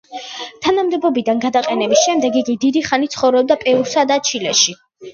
თანამდებობიდან გადაყენების შემდეგ, იგი დიდი ხანი ცხოვრობდა პერუსა და ჩილეში.